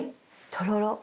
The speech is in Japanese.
とろろ。